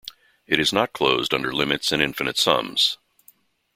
It is not closed under limits and infinite sums.